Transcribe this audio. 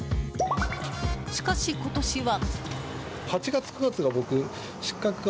しかし、今年は。